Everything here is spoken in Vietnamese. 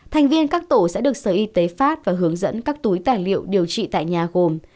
thành viên các tổ sẽ được sở y tế phát và hướng dẫn các túi tài liệu điều trị tại nhà gồm